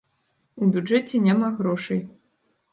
У бюджэце няма грошай.